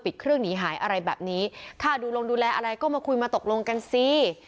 เครื่องหนีหายอะไรแบบนี้ค่าดูลงดูแลอะไรก็มาคุยมาตกลงกันสิ